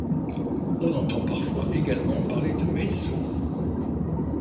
On entend parfois également parler de meidzo.